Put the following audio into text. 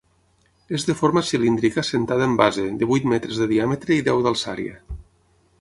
És de forma cilíndrica assentada en base, de huit metres de diàmetre i deu d'alçària.